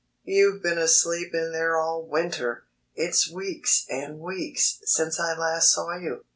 "You've been asleep in there all winter! It's weeks and weeks since I last saw you.